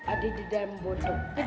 ada di dalam botol